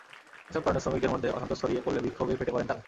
এসব কারণে শ্রমিকদের মধ্যে অসন্তোষ ছড়িয়ে পড়লে বিক্ষোভে ফেটে পড়েন তাঁরা।